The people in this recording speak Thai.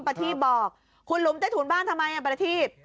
ประทีปบอกขุดหลุมได้ถูกบ้านทำไมอะประทีป